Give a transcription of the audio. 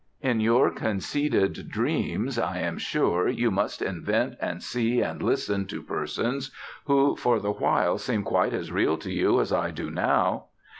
In your conceded dreams, I am sure, you must invent and see and listen to persons who for the while seem quite as real to you as I do now.